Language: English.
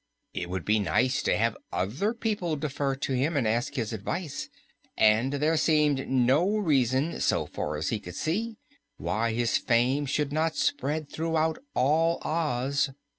It would be nice to have other people defer to him and ask his advice, and there seemed no reason so far as he could see why his fame should not spread throughout all Oz.